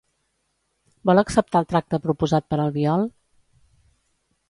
Vol acceptar el tracte proposat per Albiol?